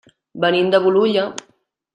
Venim de Bolulla.